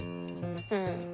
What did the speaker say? うん。